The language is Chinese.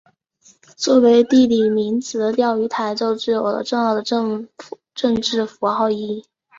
作为地理名词的钓鱼台就具有了重要的政治符号意义。